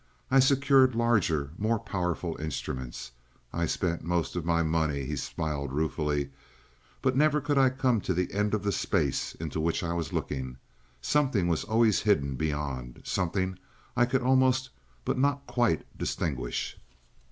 I secured larger, more powerful instruments I spent most of my money," he smiled ruefully, "but never could I come to the end of the space into which I was looking. Something was always hidden beyond something I could almost, but not quite, distinguish.